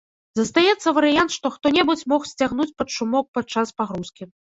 Застаецца варыянт, што хто-небудзь мог сцягнуць пад шумок падчас пагрузкі.